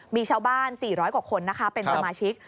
มีชาวบ้าน๔๐๐กว่าคนนะคะเป็นสมาชิก